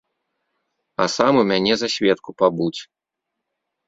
А сам у мяне за сведку пабудзь.